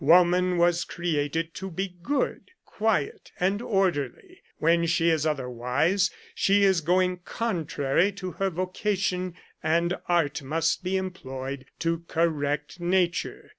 Woman was created to be good, quiet, and orderly ; when she is otherwise she is going contrary to her vocation, and art must be employed to correct Curiosities of Olden Times nature.